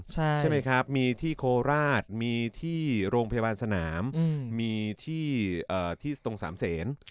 ใช่ไหมครับมีที่โคราชมีที่โรงพยาบาลสนามมีที่ตรงสามเศษ